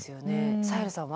サヘルさんは？